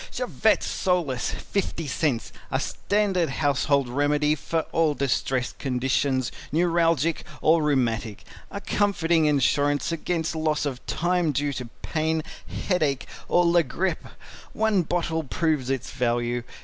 CHAVETT SOLACE 50 Cents A standard household remedy for all distressed conditions, Neuralgic or Rheumatic. A comforting insurance against loss of time due to pain, headache or la grippe. One bottle proves its value.